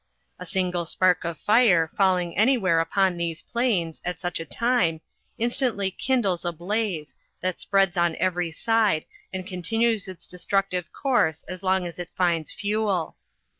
A single spark of fire, falling any where upon these plains, at such a time, instantly kin dles a blaze, that spreads on every side, and continues its destructive course as long as it finds fuel.